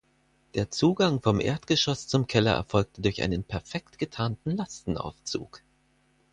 Der Zugang vom Erdgeschoss zum Keller erfolgte durch einen perfekt getarnten Lastenaufzug.